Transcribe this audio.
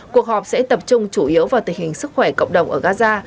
cuộc họp sẽ tập trung chủ yếu vào tình hình sức khỏe cộng đồng ở gaza